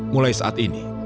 mulai saat ini